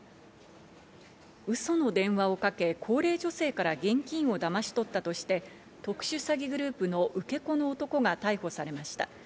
ウソの電話をかけ、高齢女性から現金をだまし取ったとして特殊詐欺グループの受け子の男が逮捕されました。